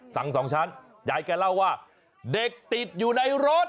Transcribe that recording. สองชั้นยายแกเล่าว่าเด็กติดอยู่ในรถ